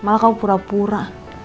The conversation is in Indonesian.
malah kamu pura pura